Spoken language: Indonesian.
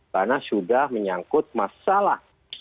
karena sudah menyangkut masalah